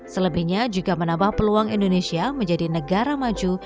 selebihnya juga menambah peluang indonesia menjadi negara maju